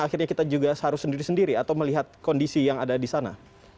akhirnya kita juga harus sendiri sendiri atau melihat kondisi yang ada di sana